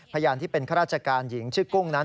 พยานที่เป็นข้าราชการหญิงชื่อกุ้งนั้น